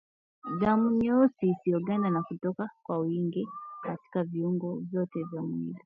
Damu nyeusi isiyoganda na kutoka kwa wingi katika viungo vyote vya mwili